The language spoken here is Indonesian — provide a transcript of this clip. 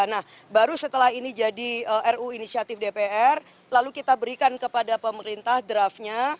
nah baru setelah ini jadi ru inisiatif dpr lalu kita berikan kepada pemerintah draftnya